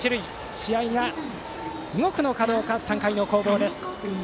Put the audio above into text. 試合が動くのかどうか３回の攻防です。